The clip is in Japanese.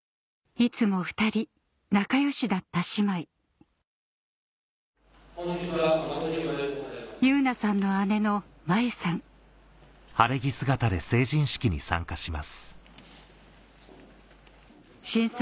いつも２人仲良しだった姉妹汐凪さんの姉の舞雪さん震災